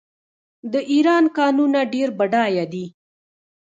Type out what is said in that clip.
د ایران کانونه ډیر بډایه دي.